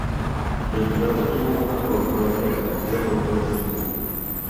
El relato tuvo una favorable acogida por parte del público.